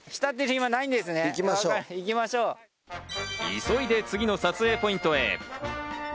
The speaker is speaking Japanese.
急いで次の撮影ポイントへ。